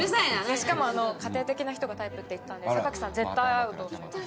しかも家庭的な人がタイプって言ってたんで酒木さん絶対合うと思います。